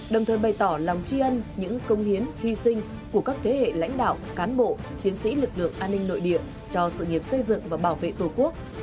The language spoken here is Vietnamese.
đồng thời bày tỏ lòng tri ân những công hiến hy sinh của các thế hệ lãnh đạo cán bộ chiến sĩ lực lượng an ninh nội địa cho sự nghiệp xây dựng và bảo vệ tổ quốc